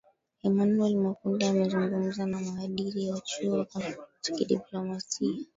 emanuel makunde amezungumza na mhadhiri wa chuo cha diplomasia